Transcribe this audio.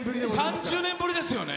３０年ぶりですよね。